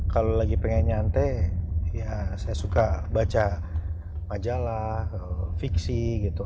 kalau lagi pengen nyantai ya saya suka baca majalah fiksi gitu